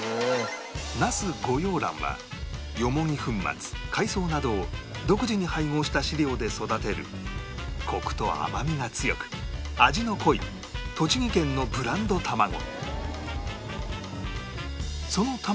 那須御養卵はよもぎ粉末海藻などを独自に配合した飼料で育てるコクと甘みが強く味の濃い栃木県のブランド卵